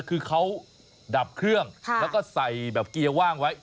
คือเขาดับเครื่องแล้วก็ใส่แบบเกียร์ว่างไว้